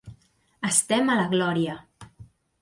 Estem a la glòria!